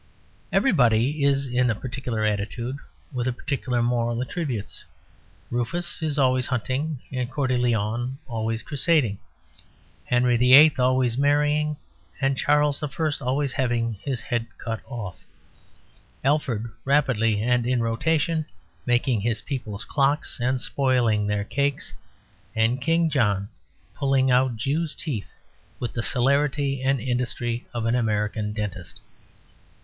Everybody is in a particular attitude, with particular moral attributes; Rufus is always hunting and Coeur de Lion always crusading; Henry VIII always marrying, and Charles I always having his head cut off; Alfred rapidly and in rotation making his people's clocks and spoiling their cakes; and King John pulling out Jews' teeth with the celerity and industry of an American dentist.